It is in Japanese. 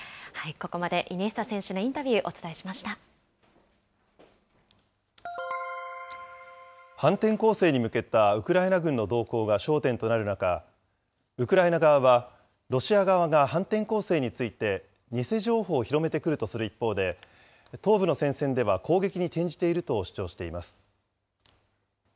ここまでイニエスタ選手のインタビュー、お反転攻勢に向けたウクライナ軍の動向が焦点となる中、ウクライナ側は、ロシア側が反転攻勢について偽情報を広めてくるとする一方で、東部の戦線では攻撃に転じていると主張しています。